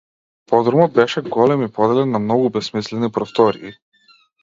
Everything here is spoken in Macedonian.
Подрумот беше голем и поделен на многу бесмислени простории.